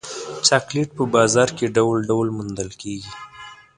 چاکلېټ په بازار کې ډول ډول موندل کېږي.